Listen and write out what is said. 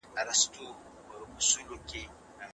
تعليمي وېبپاڼې زده کوونکو ته د علمي سرچينو لاسرسی آسانه ورکوي.